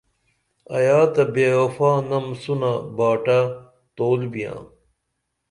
ایا تہ بے وفانم سونہ باٹہ تول بیاں